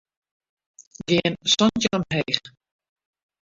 Gean santjin omheech.